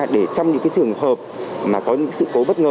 để trong những trường hợp mà có những sự cố bất ngờ